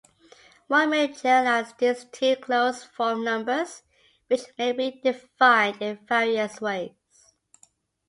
One may generalize this to "closed-form numbers", which may be defined in various ways.